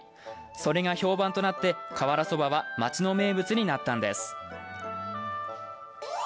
それが評判となって瓦そばは町の名物になったんです。